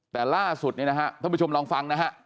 แต่ล่าสุดเนี่ยนะฮะท่านผู้ชมลองฟังนะฮะ